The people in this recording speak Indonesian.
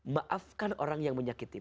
maafkan orang yang menyakiti kita